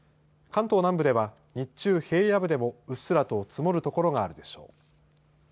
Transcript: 関東南部では日中、平野部でもうっすらと積もる所があるでしょう。